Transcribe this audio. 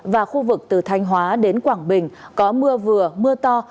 và khu vực từ thanh hóa đến quảng bình có mưa vừa mưa to